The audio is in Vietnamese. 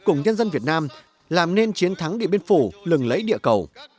cùng nhân dân việt nam làm nên chiến thắng điện biên phủ lừng lẫy địa cầu